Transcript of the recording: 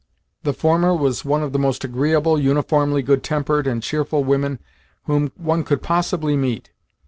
The former was one of the most agreeable, uniformly good tempered, and cheerful women whom one could possibly meet.